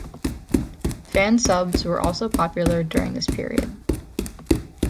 Fansubs were also popular during this period.